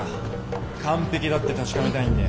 完璧だって確かめたいんで。